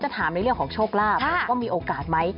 ถามในเรื่องของโชคลาภว่ามีโอกาสไหม